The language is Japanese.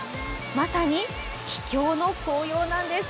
まさに秘境の紅葉なんです。